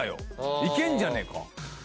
いけんじゃねえか？